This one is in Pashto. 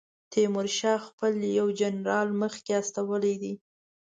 تیمورشاه خپل یو جنرال مخکې استولی دی.